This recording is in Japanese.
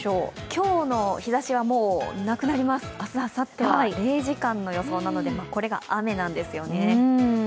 今日の日ざしはもうなくなります、明日、あさっては０時間の予想なので、これが雨なんですよね。